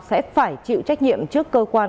sẽ phải chịu trách nhiệm trước cơ quan